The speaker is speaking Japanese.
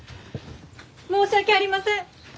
申し訳ありません！